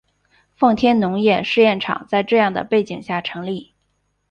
奉天农业试验场在这样的背景下成立。